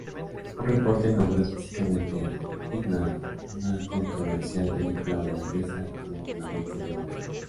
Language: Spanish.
Un reporte nombró específicamente a "Fitna", una controversial película holandesa, como fundamento del bloqueo.